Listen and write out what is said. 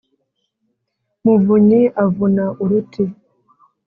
Muvunyi avuna uruti